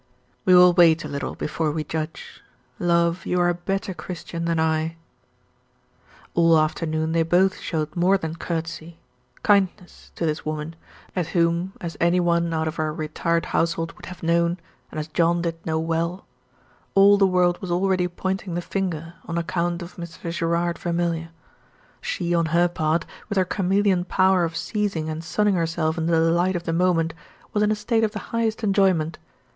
"We will wait a little before we judge. Love, you are a better Christian than I." All afternoon they both showed more than courtesy kindness, to this woman, at whom, as any one out of our retired household would have known, and as John did know well all the world was already pointing the finger, on account of Mr. Gerard Vermilye. She, on her part, with her chameleon power of seizing and sunning herself in the delight of the moment, was in a state of the highest enjoyment.